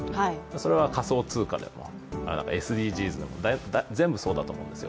それは仮想通貨であったりＳＤＧｓも全部そうだと思うんですよ。